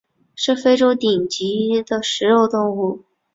是非洲顶级的食肉动物。